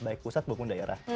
baik pusat maupun daerah